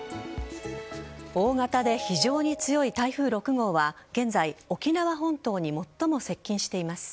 大型で非常に強い台風６号は現在、沖縄本島に最も接近しています。